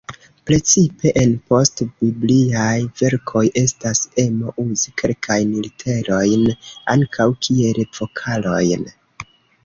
Precipe en post-bibliaj verkoj, estas emo uzi kelkajn literojn ankaŭ kiel vokalojn.